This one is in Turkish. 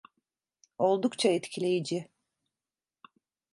Oldukça etkileyici.